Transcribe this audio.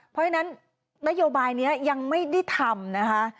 เพราะฉะนั้นนโยบายนี้ยังไม่ได้ทำนะคะ